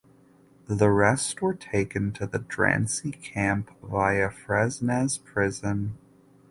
The rest were taken to the Drancy camp via Fresnes prison.